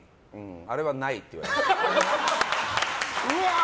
あれはないって言われて。